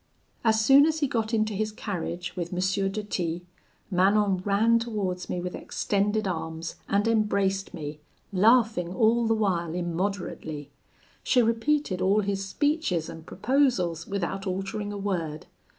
"As soon as he got into his carriage with M. de T , Manon ran towards me with extended arms, and embraced me; laughing all the while immoderately. She repeated all his speeches and proposals, without altering a word.